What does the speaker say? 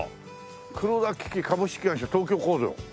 「黒田機器株式会社東京工場」